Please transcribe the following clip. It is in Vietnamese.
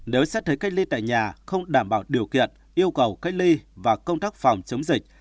nếu xét thấy cách ly tại nhà không đảm bảo điều kiện yêu cầu cách ly và công tác phòng chống dịch